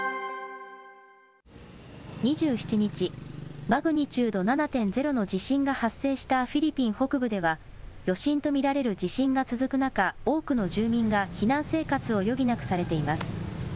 ２７日、マグニチュード７．０の地震が発生したフィリピン北部では、余震と見られる地震が続く中、多くの住民が避難生活を余儀なくされています。